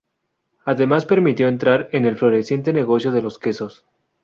Además permitió entrar en el floreciente negocio de los quesos.